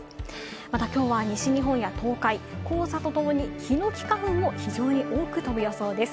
また今日は西日本や東海、黄砂とともにヒノキ花粉も多く飛ぶ予想です。